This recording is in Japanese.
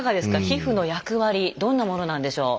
皮膚の役割どんなものなんでしょう？